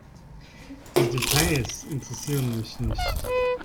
Die Details interessieren mich nicht.